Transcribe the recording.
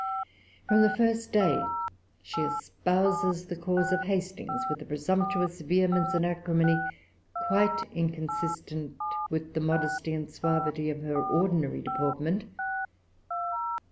From the first day she espouses the cause of Hastings with a presumptuous vehemence and acrimony quite inconsistent with the modesty and suavity of her ordinary deportment.